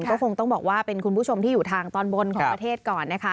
ก็คงต้องบอกว่าเป็นคุณผู้ชมที่อยู่ทางตอนบนของประเทศก่อนนะคะ